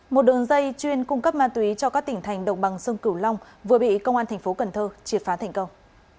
một đường dây chuyên cung cấp ma túy cho các tỉnh thành đồng bằng sông cửu long vừa bị công an thành phố cần thơ triệt phá thành công